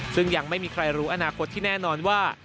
ซึ่งยังไม่มีใครรู้อนาคตที่แน่นอนว่า